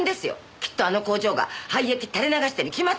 きっとあの工場が廃液を垂れ流してるに決まってます。